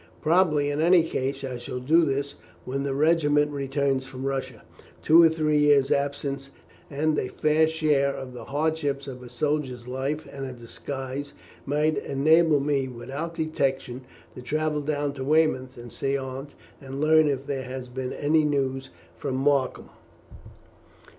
Probably in any case I shall do this when the regiment returns from Russia. Two or three years' absence, and a fair share of the hardships of a soldier's life, and a disguise, might enable me without detection to travel down to Weymouth and see Aunt, and learn if there had been any news from Markham.